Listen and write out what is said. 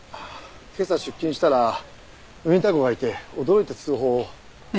今朝出勤したらウィンター号がいて驚いて通報を。